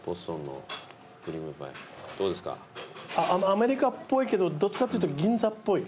アメリカっぽいけどどっちかっていうと銀座っぽい。